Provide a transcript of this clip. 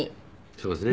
そうですね。